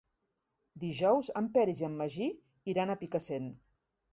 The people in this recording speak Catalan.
Dijous en Peris i en Magí iran a Picassent.